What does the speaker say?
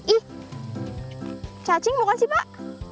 ih cacing bukan sih pak